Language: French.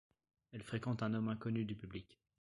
Elle fréquente un homme inconnu du public.